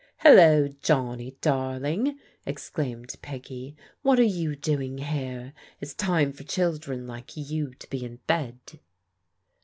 "Hello, Johnny darling," exclaimed Peggy. "What are you doing here? It's time for children like you to be in bed."